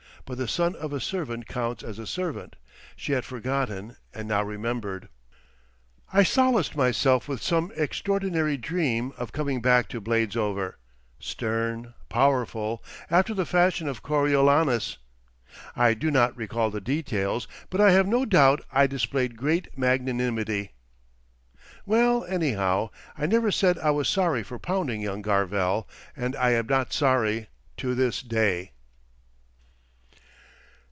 But the son of a servant counts as a servant. She had forgotten and now remembered. I solaced myself with some extraordinary dream of coming back to Bladesover, stern, powerful, after the fashion of Coriolanus. I do not recall the details, but I have no doubt I displayed great magnanimity... Well, anyhow I never said I was sorry for pounding young Garvell, and I am not sorry to this day.